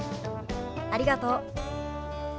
ありがとう。